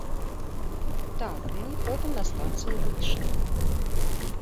Так, мы потым на станцыі выйшлі.